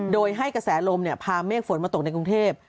โดยให้กระแสลมพาเมฆฝนมาตกในกรุงเทพ